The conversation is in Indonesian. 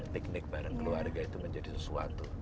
teknik bareng keluarga itu menjadi sesuatu